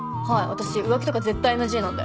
私浮気とか絶対ＮＧなんで。